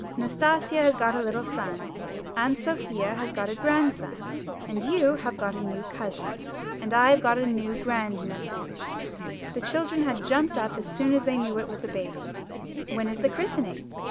Nastasia has got a little son, Aunt Sofia has got a grandson, you have got a new cousin, and I have got a new grand nephew." The children had jumped up as soon as they knew it was a baby. ''When is the christening?''